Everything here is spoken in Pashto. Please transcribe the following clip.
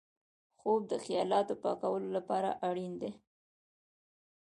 خوب د خیالاتو پاکولو لپاره اړین دی